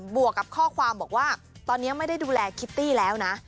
วกกับข้อความบอกว่าตอนนี้ไม่ได้ดูแลคิตตี้แล้วนะ